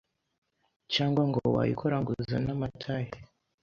cyangwa ngo wayikora ngo uzane amataye,